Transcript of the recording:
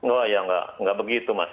oh ya nggak begitu mas